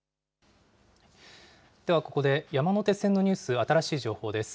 ではここで山手線のニュース、新しい情報です。